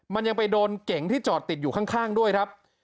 มันยังไปโดนเก๋งที่จอดติดอยู่ข้างด้วยครับ